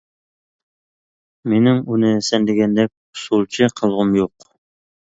مېنىڭ ئۇنى سەن دېگەندەك ئۇسسۇلچى قىلغۇم يوق.